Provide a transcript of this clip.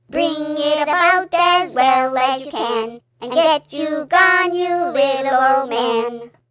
Bring it about as well as you can, And get you gone, you little old man!"